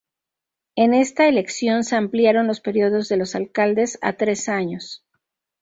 En esta elección se ampliaron los períodos de los alcaldes a tres años.